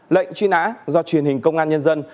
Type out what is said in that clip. lệnh truy nã do truyền hình công an nhân dân